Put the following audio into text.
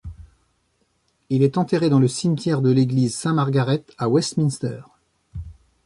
Il est enterré dans le cimetière de l'église St Margaret à Westminster.